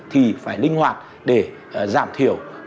thì phải linh hoạt để giảm thiểu